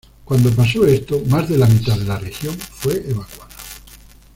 Cuando pasó esto, más de la mitad de la región fue evacuada.